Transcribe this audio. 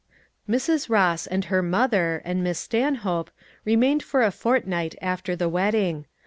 Mrs. Ross and her mother, and Miss Stanhope, remained for a fortnight after the wedding.